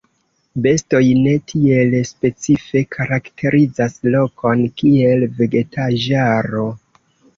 Bestoj ne tiel specife karakterizas lokon kiel vegetaĵaro.